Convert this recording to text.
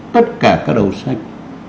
tất cả các đầu sách